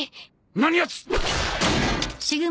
何やつ！